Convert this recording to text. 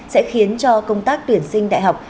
sẽ khiến cho công tác tuyển sinh đại học